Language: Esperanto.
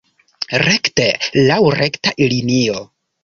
Rekte, laŭ rekta linio.